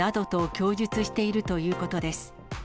供述しているということです。